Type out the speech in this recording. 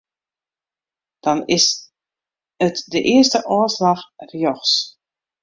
Dan is it de earste ôfslach rjochts.